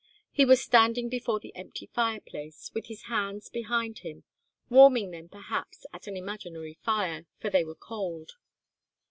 He was standing before the empty fireplace, with his hands behind him, warming them perhaps at an imaginary fire, for they were cold.